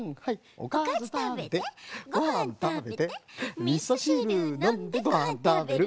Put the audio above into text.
「おかずたべてごはんたべてみそしるのんでごはんたべる」